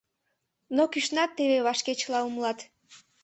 Но кӱшнат теве вашке чыла умылат.